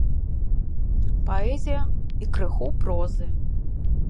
Паэзія і крыху прозы.